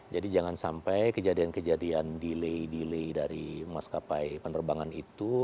jadi jangan sampai kejadian kejadian delay delay dari maskapai penerbangan itu